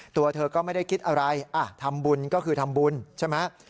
ตัวเธอก็ไม่ได้คิดอะไรทำบุญก็คือทำบุญใช่ไหม